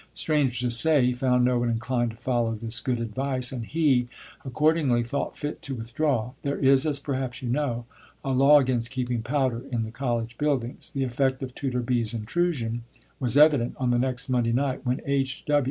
Strange to say, he found no one inclined to follow this good advice, and he accordingly thought fit to withdraw. There is, as perhaps you know, a law against keeping powder in the college buildings. The effect of Tutor B.'s intrusion was evident on the next Monday night, when H.